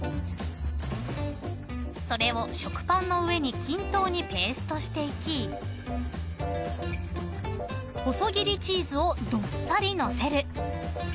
［それを食パンの上に均等にペーストしていき細切りチーズをどっさりのせる］